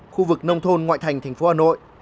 khu vực nông thôn ngoại thành thành phố hà nội